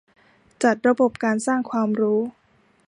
จัดระบบการสร้างความรู้